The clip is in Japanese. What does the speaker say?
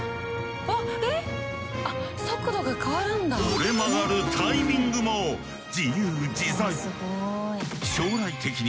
折れ曲がるタイミングも自由自在！